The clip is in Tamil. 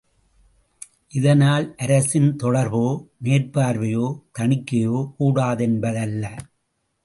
இதனால் அரசின் தொடர்போ, மேற்பார்வையோ, தணிக்கையோ கூடாது என்பதல்ல.